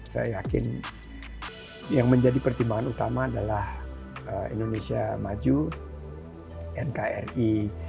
saya yakin yang menjadi pertimbangan utama adalah indonesia maju nkri